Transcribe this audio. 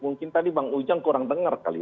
mungkin tadi bang ujang kurang dengar kali